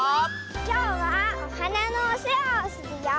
きょうはおはなのおせわをするよ！